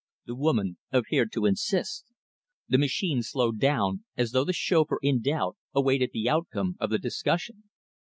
The woman appeared to insist. The machine slowed down, as though the chauffeur, in doubt, awaited the outcome of the discussion.